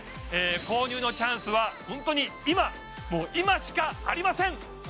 購入のチャンスは本当に今もう今しかありません